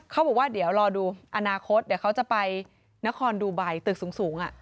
เขาบอกว่าเดี๋ยวรอดูอนาคตเดี๋ยวเขาจะไปนครดูไบตึกสูง